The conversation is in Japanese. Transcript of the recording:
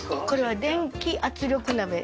これは電気圧力鍋